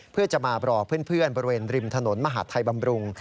เพื่อจะมารอเพื่อนบริเวณริมถนนมหาดไทยบำรุง